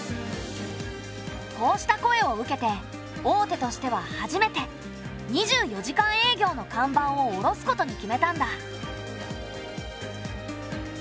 こうした声を受けて大手としては初めて２４時間営業の看板を下ろすことに決めたんだ。